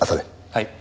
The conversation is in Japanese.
はい。